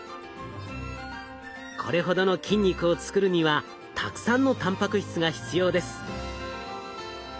これほどの筋肉を作るにはたくさんのたんぱく質が必要です。